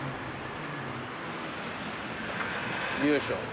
よいしょ。